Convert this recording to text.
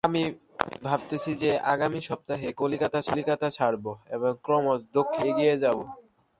আমি ভাবছি যে, আগামী সপ্তাহে কলিকাতা ছাড়ব এবং ক্রমশ দক্ষিণদিকে এগিয়ে যাব।